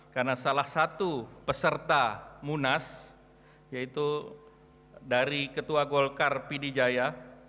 karena salah satu peserta munas yaitu dari ketua golkar pdjaya